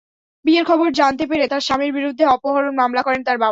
বিয়ের খবর জানতে পেরে তাঁর স্বামীর বিরুদ্ধে অপহরণ মামলা করেন তাঁর বাবা।